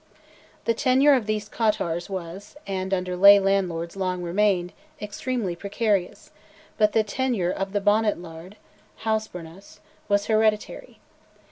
The tenure of these cottars was, and under lay landlords long remained, extremely precarious; but the tenure of the "bonnet laird" (hosbernus) was hereditary.